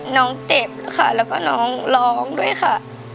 น้องเจ็บค่ะแล้วก็น้องร้องด้วยค่ะ